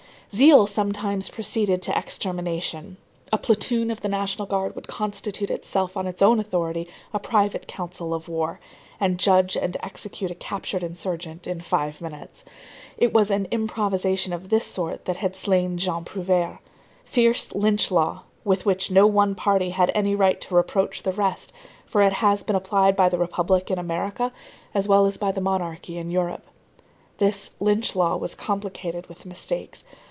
Zeal sometimes proceeded to extermination. A platoon of the National Guard would constitute itself on its own authority a private council of war, and judge and execute a captured insurgent in five minutes. It was an improvisation of this sort that had slain Jean Prouvaire. Fierce Lynch law, with which no one party had any right to reproach the rest, for it has been applied by the Republic in America, as well as by the monarchy in Europe. This Lynch law was complicated with mistakes.